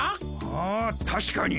あたしかに。